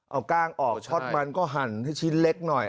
เอากล้างออกช็อตมันก็หั่นให้ชิ้นเล็กหน่อย